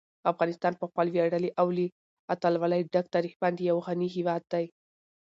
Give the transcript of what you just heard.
افغانستان په خپل ویاړلي او له اتلولۍ ډک تاریخ باندې یو غني هېواد دی.